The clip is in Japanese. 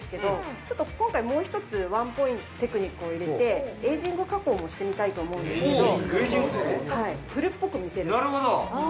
ちょっと今回もう一つワンポイントテクニックを入れてエイジング加工もしてみたいと思うんですけれども。